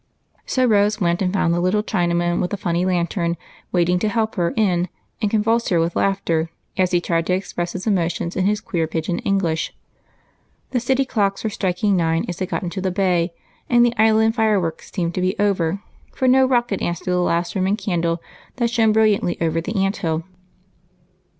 So Rose went and found the little Chinaman with a funny lantern waiting to help her in and convulse ROSE'S SACRIFICE. 115 her with laughter trying to express his emotions in pigeon Enghsh. The city clocks were striking nine as they got out into the bay, and the island fire works seemed to be over, for no rocket answered the last Roman candle that shone on the Aunt hill.